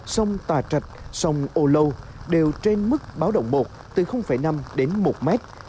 sông tà trạch sông âu lâu đều trên mức báo động một từ năm đến một mét